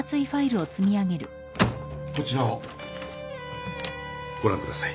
こちらをご覧ください。